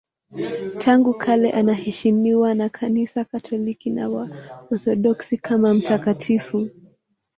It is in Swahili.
Tangu kale anaheshimiwa na Kanisa Katoliki na Waorthodoksi kama mtakatifu.